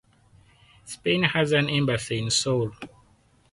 Spain has an embassy in Seoul.